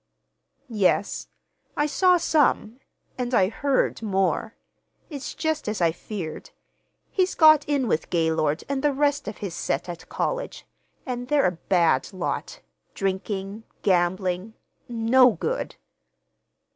"Yes. I saw some, and I heard—more. It's just as I feared. He's got in with Gaylord and the rest of his set at college, and they're a bad lot—drinking, gambling—no good."